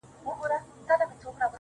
د ښویېدلي سړي لوري د هُدا لوري~